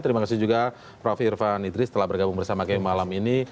terima kasih juga prof irfan idris telah bergabung bersama kami malam ini